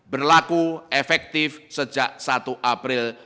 berlaku efektif sejak satu april dua ribu dua puluh